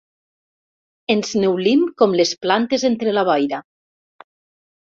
Ens neulim com les plantes entre la boira.